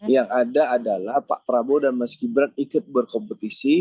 yang ada adalah pak prabowo dan mas gibran ikut berkompetisi